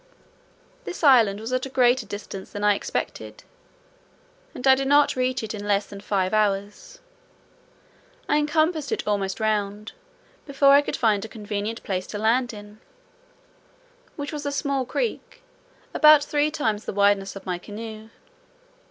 This island was at a greater distance than I expected, and I did not reach it in less than five hours. I encompassed it almost round, before I could find a convenient place to land in; which was a small creek, about three times the wideness of my canoe.